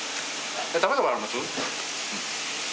食べたことあります？